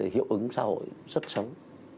hiệu ứng xã hội rất sống